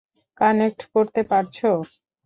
Connect করতে পারছো?